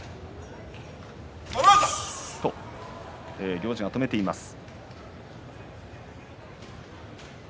行司が止めています。